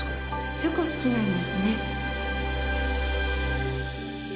チョコ好きなんですね